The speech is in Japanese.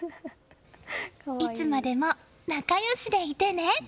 いつまでも仲良しでいてね！